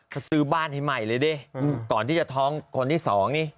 ก็ซื้อบ้านให้ใหม่เลยดิก่อนที่จะท้องคนที่สองนี่